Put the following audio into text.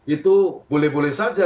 itu boleh boleh saja